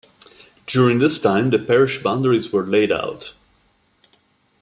During this time the parish boundaries where laid out.